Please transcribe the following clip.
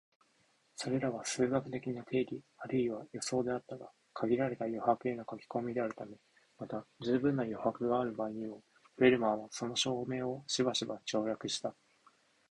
それらは数学的な定理あるいは予想であったが、限られた余白への書き込みであるため、また充分な余白がある場合にも、フェルマーはその証明をしばしば省略した